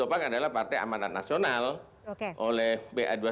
yang perlu ditopang adalah partai amanat nasional oleh pa dua ratus dua belas